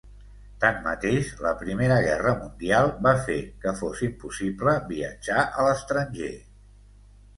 Tanmateix, la Primera Guerra Mundial va fer que fos impossible viatjar a l'estranger.